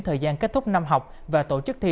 thời gian kết thúc năm học và tổ chức thi